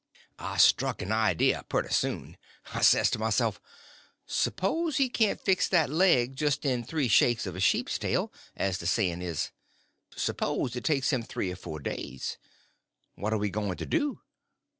I struck an idea pretty soon. I says to myself, spos'n he can't fix that leg just in three shakes of a sheep's tail, as the saying is? spos'n it takes him three or four days? What are we going to do?